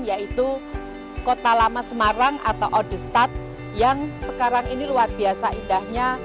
yaitu kota lama semarang atau odestad yang sekarang ini luar biasa indahnya